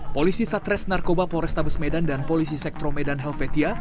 polisi satres narkoba polrestabes medan dan polisi sektro medan helvetia